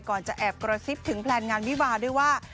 ก่อนจะแอบกรสซิปถึงแผนงานวิวาร์ด้วยว่า